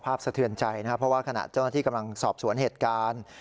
สะเทือนใจนะครับเพราะว่าขณะเจ้าหน้าที่กำลังสอบสวนเหตุการณ์